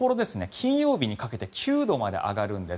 金曜日にかけて９度まで上がるんです。